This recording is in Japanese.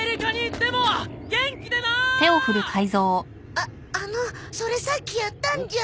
ああのそれさっきやったんじゃ。